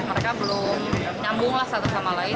mereka belum nyambunglah satu sama lain